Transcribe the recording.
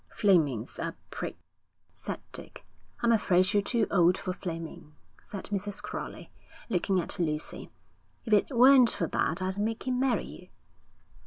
'Fleming's a prig,' said Dick. 'I'm afraid you're too old for Fleming,' said Mrs. Crowley, looking at Lucy. 'If it weren't for that, I'd make him marry you.'